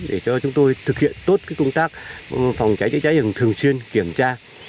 để cho chúng tôi thực hiện tốt công tác phòng cháy cháy rừng thường xuyên kiểm tra